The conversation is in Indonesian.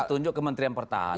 ya ditunjuk ke menterian pertahanan